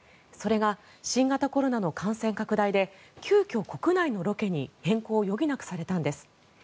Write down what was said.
それが新型コロナの感染拡大で急きょ、国内のロケに変更を余儀なくされたんです。